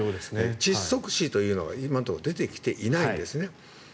窒息死というのは今のところ出てきていないんですね。